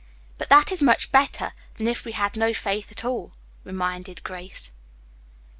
"But that is much better than if we had no faith at all," reminded Grace.